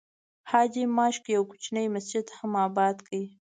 حاجي ماشک یو کوچنی مسجد هم آباد کړی.